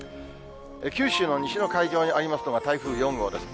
九州の西の海上にありますのが台風４号です。